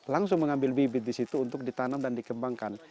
langsung mengambil bibit di situ untuk ditanam dan dikembangkan